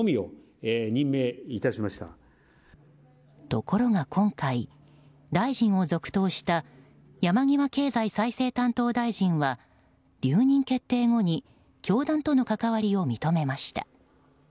ところが今回、大臣を続投した山際経済再生担当大臣は留任決定後に教団との関わりを認めました。